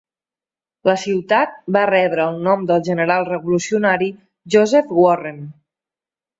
La ciutat va rebre el nom del general revolucionari Joseph Warren.